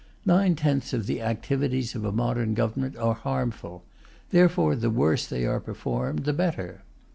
Nine tenths of the activities of a modern Government are harmful; therefore the worse they are performed, the better.